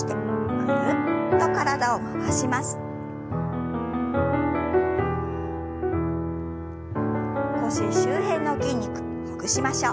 腰周辺の筋肉ほぐしましょう。